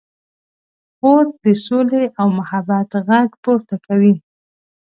خور د سولې او محبت غږ پورته کوي.